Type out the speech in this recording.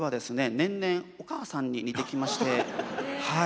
年々お母さんに似てきましてはい。